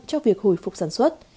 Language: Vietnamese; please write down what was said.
cho việc hồi phục sản xuất